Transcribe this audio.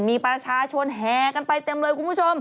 มีประชาชนแห่กันไปเต็มเลยคุณผู้ชม